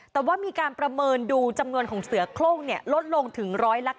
แต่ว่ามีการประเมินดูจำนวนของเสือโครงลดลงถึง๑๙